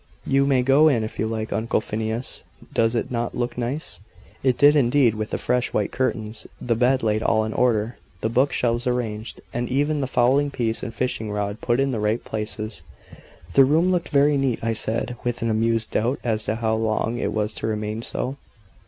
"You may go in if you like, Uncle Phineas. Does it not look nice?" It did indeed, with the fresh white curtains; the bed laid all in order; the book shelves arranged, and even the fowling piece and fishing rod put in the right places. The room looked very neat, I said, with an amused doubt as to how long it was to remain so.